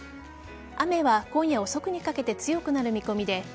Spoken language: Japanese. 雨は今夜遅くにかけて強くなる見込みで。